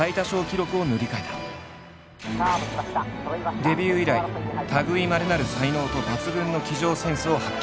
デビュー以来たぐいまれなる才能と抜群の騎乗センスを発揮。